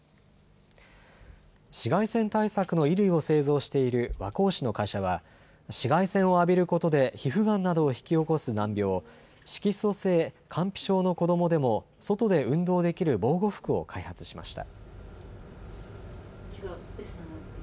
紫外線対策の衣類を製造している和光市の会社は、紫外線を浴びることで皮膚がんなどを引き起こす難病、色素性乾皮症の子どもでも外で運動できる防護服を開発しました。